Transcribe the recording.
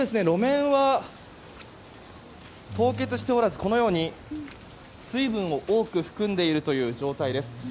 路面は凍結しておらずこのように水分を多く含んでいるという状態です。